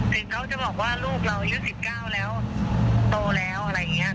ถึงเขาจะบอกว่าลูกเราอายุ๑๙แล้วโตแล้วอะไรอย่างนี้